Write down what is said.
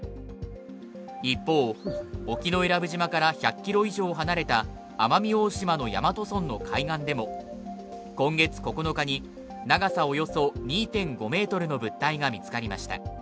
一方、沖永良部島から１００ｋｍ以上離れた奄美大島の大和村の海岸でも今月９日に長さおよそ２．５ｍの物体が見つかりました。